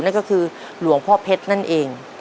นั่นก็คือหลวงพ่อเพชรนั่นเอง